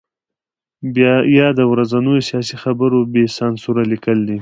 یا د ورځنیو سیاسي خبرو بې سانسوره لیکل دي.